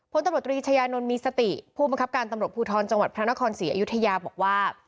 พตศยนมีสติผู้บังคับการตำรวจภูทรจังหวัดพระนครศรีอายุธยาบอกว่า